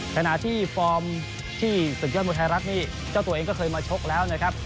ขณะที่ฟอร์มที่ศึกยอดมวยไทยรัฐนี่เจ้าตัวเองก็เคยมาชกแล้วนะครับ